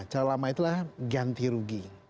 calon lama itulah ganti rugi